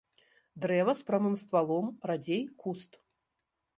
Дрэва з прамым ствалом, радзей куст.